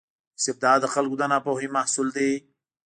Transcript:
استبداد د خلکو د ناپوهۍ محصول دی.